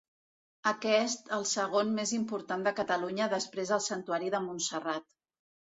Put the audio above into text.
Aquest el segon més important de Catalunya després del Santuari de Montserrat.